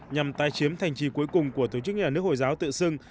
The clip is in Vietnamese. nhằm tái chiếm thành trì cuối cùng của tổ chức nhà nước hồi giáo tự xưng